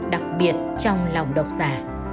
đặc biệt trong lòng đọc giả